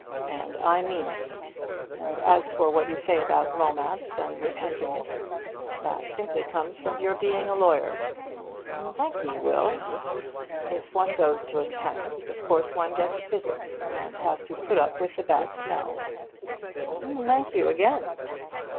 And I mean it. And as for what you say about romance and repenting it, that simply comes from your being a lawyer." "Thank ye, Will." "If one goes to a chemist, of course one gets physic, and has to put up with the bad smells." "Thank you again."